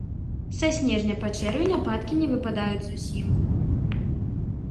Са снежня па чэрвень ападкі не выпадаюць зусім.